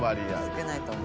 少ないと思う。